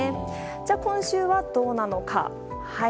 では、今週はどうなのか。